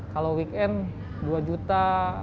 kalau weekend dua juta